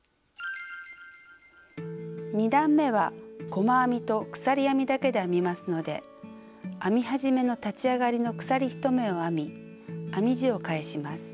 ２段めは細編みと鎖編みだけで編みますので編み始めの立ち上がりの鎖１目を編み編み地を返します。